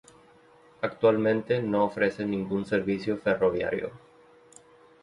Actualmente, no ofrece ningún servicio ferroviario.